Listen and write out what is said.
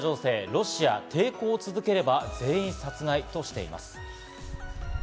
ロシア、抵抗続ければ全員殺害としています。